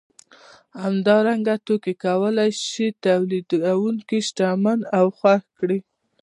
همدارنګه توکي کولای شي تولیدونکی شتمن او خوښ کړي